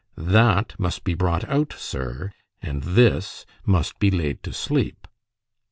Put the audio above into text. That must be brought out, sir, and this must be laid to sleep."